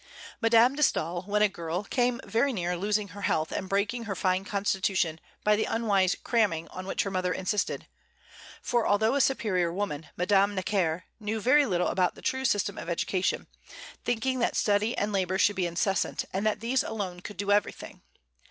Madame de Staël, when a girl, came very near losing her health and breaking her fine constitution by the unwise "cramming" on which her mother insisted; for, although a superior woman, Madame Necker knew very little about the true system of education, thinking that study and labor should be incessant, and that these alone could do everything.